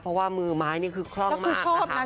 เพราะว่ามือไม้คือคล่องมาก